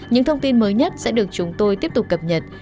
những thông tin mới nhất sẽ được chúng tôi tiếp tục cập nhật